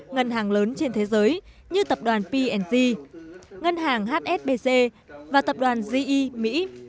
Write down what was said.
ngân hàng lớn trên thế giới như tập đoàn p g ngân hàng hsbc và tập đoàn ge mỹ